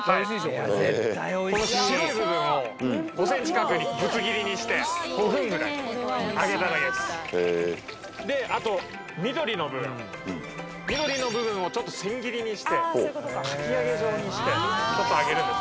へえ白い部分を５センチ角にぶつ切りにして５分ぐらい揚げただけですであと緑の部分緑の部分をちょっと千切りにしてかき揚げ状にしてちょっと揚げるんです